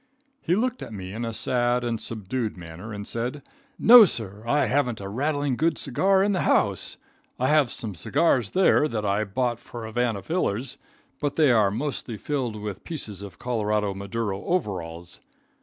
He looked at me in a sad and subdued manner and said, "No, sir; I haven't a rattling good cigar in the house. I have some cigars there that I bought for Havana fillers, but they are mostly filled with pieces of Colorado Maduro overalls.